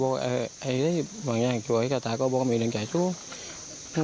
ก็มีเรืองอยู่กับจ่าชู้มีเรืองอยู่กับจ่าชู้